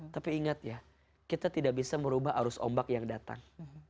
tapi ingat ya kita tidak bisa merubah arus ombak yang datang